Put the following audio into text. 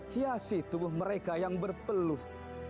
hiasi tubuh mereka yang berpeluh